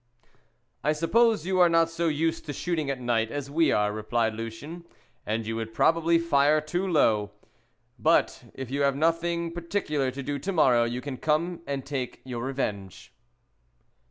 "I suppose you are not so used to shooting at night as we are," replied Lucien, "and you would probably fire too low. But if you have nothing particular to do to morrow you can come and take your revenge."